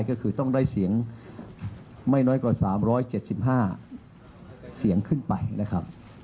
ก็คือต้องได้เสียงไม่น้อยกว่า๓๗๕เสียงขึ้นไปนะครับ